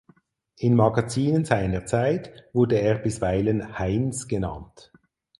In Magazinen seiner Zeit wurde er bisweilen "Heyns" genannt.